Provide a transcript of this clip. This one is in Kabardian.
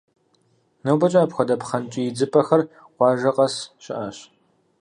Нобэкӏэ апхуэдэ пхъэнкӏий идзыпӏэхэр къуажэ къэс щыӏэщ.